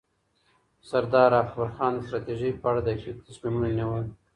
سردار اکبرخان د ستراتیژۍ په اړه دقیق تصمیمونه نیول.